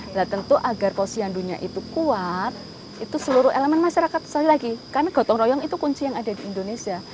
nah tentu agar posyandunya itu kuat itu seluruh elemen masyarakat sekali lagi karena gotong royong itu kunci yang ada di indonesia